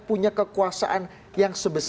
punya kekuasaan yang sebebas